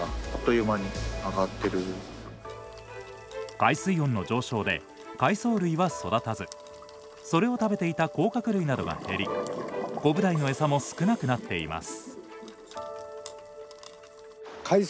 海水温の上昇で海藻類は育たずそれを食べていた甲殻類などが減りコブダイの餌も少なくなっています。